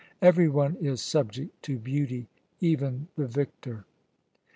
Every one is subject to beauty even the victor."